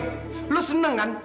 kamu senang kan